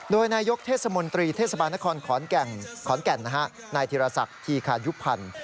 โดยนายกเทศมนตรีเทศบาลนครขอนแก่นนายธีรศักดิ์ธีคายุพันธ์